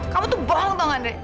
kamu tuh bohong tau nggak andre